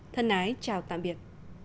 thân ái chào tạm biệt